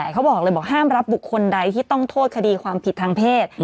เขาบอกเลยบอกห้ามรับบุคคลใดที่ต้องโทษคดีความผิดทางเพศ